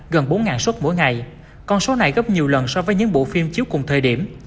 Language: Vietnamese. gần bốn xuất mỗi ngày con số này gấp nhiều lần so với những bộ phim chiếu cùng thời điểm